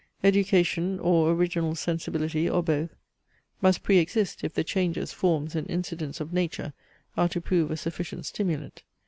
Education, or original sensibility, or both, must pre exist, if the changes, forms, and incidents of nature are to prove a sufficient stimulant.